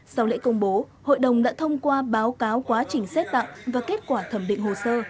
sau lễ công bố hội đồng đã thông qua báo cáo quá trình xét tặng và kết quả thẩm định hồ sơ